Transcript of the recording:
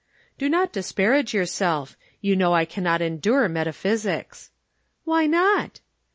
"Do not disparage yourself. You know I cannot endure metaphysics." "Why not?"